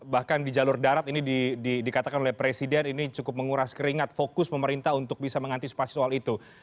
bahkan di jalur darat ini dikatakan oleh presiden ini cukup menguras keringat fokus pemerintah untuk bisa mengantisipasi soal itu